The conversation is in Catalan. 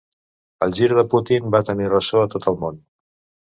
El gir de Putin va tenir ressò a tot el món.